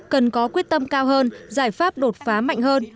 cần có quyết tâm cao hơn giải pháp đột phá mạnh hơn